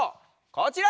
こちら！